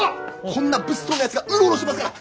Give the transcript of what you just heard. こんな物騒なやつがうろうろしてますから。